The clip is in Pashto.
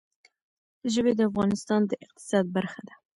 ژبې د افغانستان د اقتصاد برخه ده.